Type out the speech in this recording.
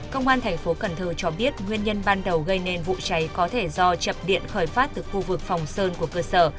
công an thành phố cần thơ cho biết nguyên nhân ban đầu gây nên vụ cháy có thể do chập điện khởi phát từ khu vực phòng sơn của cơ sở